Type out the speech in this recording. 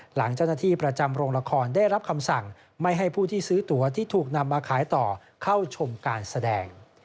หลังเจ้าหน้าที่ประจำโรงละครได้รับคำสั่งไม่ให้ผู้ที่ซื้อตัวที่ถูกนำมาขายต่อเข้าชมการแสดง